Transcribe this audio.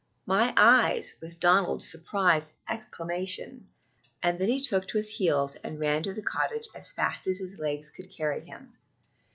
"My eyes!" was Donald's surprised exclamation, and then he took to his heels and ran to the cottage as fast as his legs could carry him.